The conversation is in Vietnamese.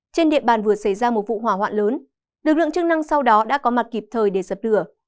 trên địa bàn vừa xảy ra một vụ hỏa hoạn lớn lực lượng chức năng sau đó đã có mặt kịp thời để dập lửa